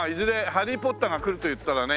『ハリー・ポッター』が来るといったらね